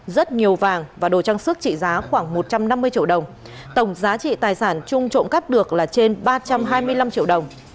rất nhiều vàng và đồ trang sức trị giá khoảng một trăm năm mươi triệu đồng tổng giá trị tài sản chung trộm cắp được là trên ba trăm hai mươi năm triệu đồng